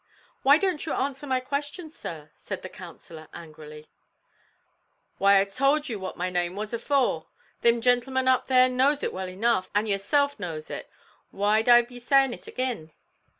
"Why don't you answer my question, sir?" said the counsellor angrily. "Why I towld what my name war afore. Thim gintlemen up there knows it well enough, and yourself knows it; why'd I be saying it agin?"